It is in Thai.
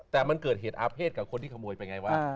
แต่มันเกิดเหตุอาเภษกับคนที่ขโมยไปไงวะ